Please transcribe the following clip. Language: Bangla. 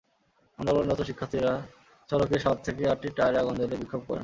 আন্দোলনরত শিক্ষার্থীরা সড়কে সাত থেকে আটটি টায়ারে আগুন জ্বালিয়ে বিক্ষোভ করেন।